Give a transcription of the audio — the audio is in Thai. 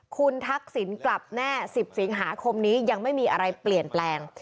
คุณทักษิณกลับแน่๑๐สิงหาคมนี้ยังไม่มีอะไรเปลี่ยนแปลง